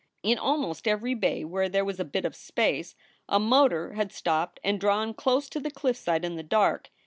In almost every bay where there was a bit of space a motor had stopped and drawn close to the cliffside in the dark.